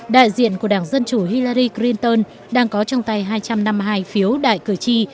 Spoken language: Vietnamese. đại diện của đảng dân chủ hillari crinton đang có trong tay hai trăm năm mươi hai phiếu đại cử tri